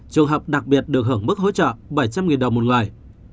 trường hợp đặc biệt được hưởng mức hỗ trợ bảy trăm linh đồng một người